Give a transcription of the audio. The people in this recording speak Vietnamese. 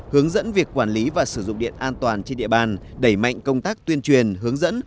hướng dẫn việc quản lý và sử dụng điện an toàn trên địa bàn đẩy mạnh công tác tuyên truyền hướng dẫn